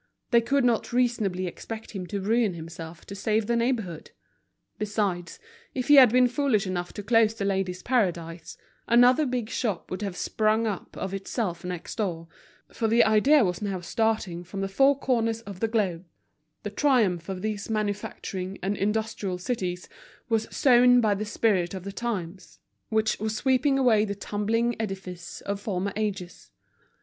They could not reasonably expect him to ruin himself to save the neighborhood. Besides, if he had been foolish enough to close The Ladies' Paradise, another big shop would have sprung up of itself next door, for the idea was now starting from the four corners of the globe; the triumph of these manufacturing and industrial cities was sown by the spirit of the times, which was sweeping away the tumbling edifice of former ages.